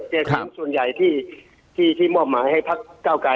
แต่ส่วนใหญ่ที่ที่ที่มอบหมายให้พักเก้าไก่